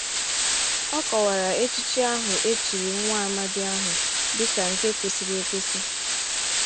Ọ kọwara echichi ahụ e chiri nwa amadi ahụ dịka nke kwesiri ekwesi